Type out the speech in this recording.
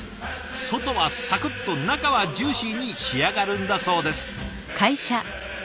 外はサクッと中はジューシーに仕上がるんだそうです。